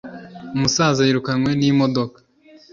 umusaza yirukanwe n'imodoka